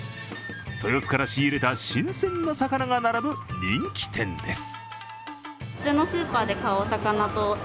豊洲から仕入れた新鮮な魚が並ぶ人気店です。